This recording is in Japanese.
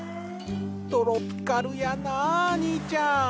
トロピカルやな兄ちゃん。